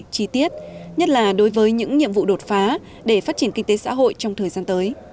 chi tiết nhất là đối với những nhiệm vụ đột phá để phát triển kinh tế xã hội trong thời gian tới